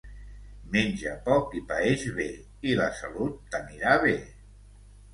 Menja poc i paeix bé i la salut t'anirà bé.